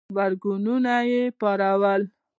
غبرګونونه پارولي